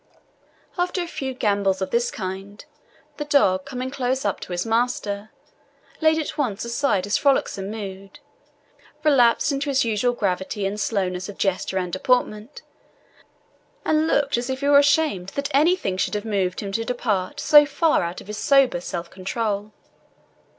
After a few gambols of this kind, the dog, coming close up to his master, laid at once aside his frolicsome mood, relapsed into his usual gravity and slowness of gesture and deportment, and looked as if he were ashamed that anything should have moved him to depart so far out of his sober self control.